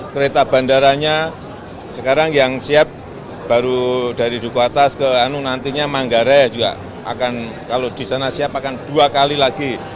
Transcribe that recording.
kereta bandaranya sekarang yang siap baru dari duku atas ke anu nantinya manggarai juga akan kalau di sana siap akan dua kali lagi